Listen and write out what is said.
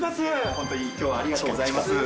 本当に今日はありがとうございます。